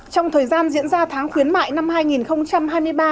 trong thời gian diễn ra tháng khuyến mại năm hai nghìn hai mươi ba